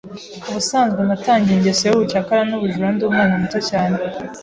Ubusanzwe natangiye ingeso z’ubucakura n’ubujura ndi umwana muto cyane